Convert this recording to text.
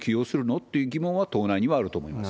って疑問は党内にはあると思います。